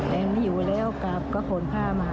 แต่ไม่อยู่แล้วกาลก็โทรภาพมา